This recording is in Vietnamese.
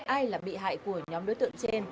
ai là bị hại của nhóm đối tượng trên